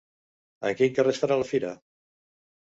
A quin carrer es farà la fira?